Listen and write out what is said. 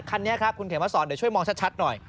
คันนี้ครับคุณเขมสอนเดี๋ยวช่วยมองชัดหน่อย